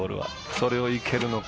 それをいけるのか。